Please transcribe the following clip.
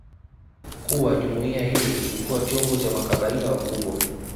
kuwa jumuiya hile ilikuwa chombo cha makabaila wakubwa